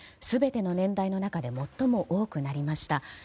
全ての年代の中で最も多くなりました。